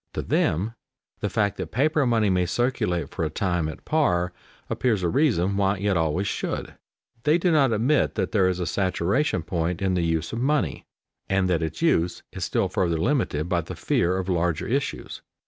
To them the fact that paper money may circulate for a time at par appears a reason why it always should. They do not admit that there is a saturation point in the use of money, and that its use is still further limited by the fear of larger issues.